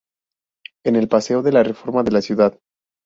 En el Paseo de la Reforma de la Cd.